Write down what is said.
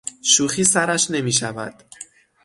شوخی سرش نمیشود.